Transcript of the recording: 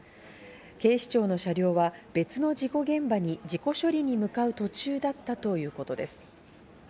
警視庁の車両が別の事故現場に事故処理に向かう途中だったということです。